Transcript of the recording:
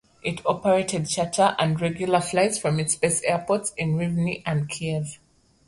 It operated charter and regular flights from its base airports at Rivne and Kiev.